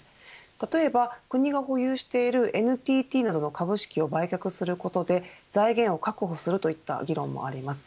例えば、国が保有しているＮＴＴなどの株式を売却することで財源を確保するといった議論もあります。